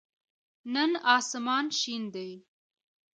نن آسمان شین دی